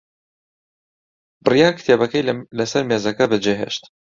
بڕیار کتێبەکەی لەسەر مێزەکە بەجێهێشت.